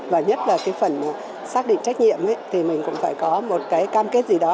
và nhất là cái phần xác định trách nhiệm thì mình cũng phải có một cái cam kết gì đó